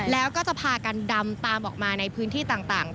แล้วก็จะพากันดำตามออกมาในพื้นที่ต่าง